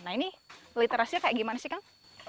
nah ini literasinya kayak gimana sih kang